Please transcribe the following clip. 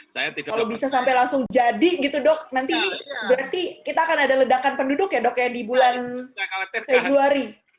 kalau bisa sampai langsung jadi gitu dok nanti berarti kita akan ada ledakan penduduk ya dok ya di bulan februari